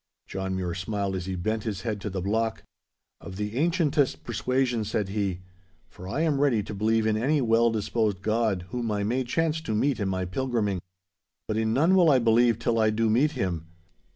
John Mure smiled as he bent his head to the block. 'Of the ancientest persuasion,' said he, 'for I am ready to believe in any well disposed god whom I may chance to meet in my pilgriming. But in none will I believe till I do meet him.